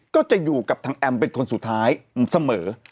ก็จะอยู่กับทางแอมเป็นคนสุดท้ายเสมอ